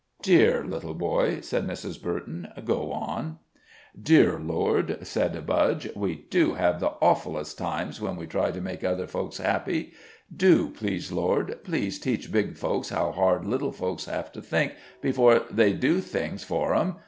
"Dear little boy," said Mrs. Burton, "go on." "Dear Lord," said Budge, "we do have the awfullest times when we try to make other folks happy. Do, please, Lord please teach big folks how hard little folks have to think before they do things for 'em.